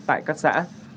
tại các xã